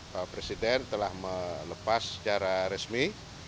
pak presiden telah melepas secara resmi